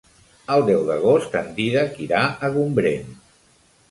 El deu d'agost en Dídac irà a Gombrèn.